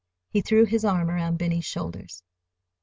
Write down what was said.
He threw his arm around Benny's shoulders.